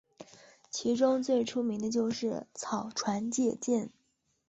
其中最出名的就是草船借箭。